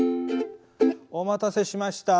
「お待たせしました。